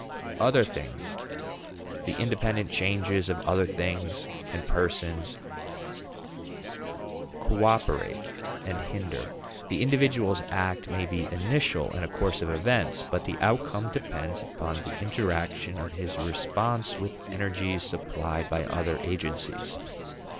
Other things, the independent changes of other things and persons, cooperate and hinder. The individual's act may be initial in a course of events, but the outcome depends upon the interaction of his response with energies supplied by other agencies.